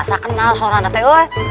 asal kenal suara anak teh woy